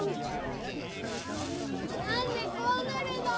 なんでこうなるの！